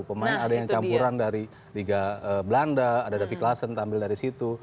pemain ada yang campuran dari liga belanda ada davi klasson tampil dari situ